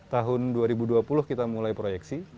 tahun dua ribu dua puluh kita mulai proyeksi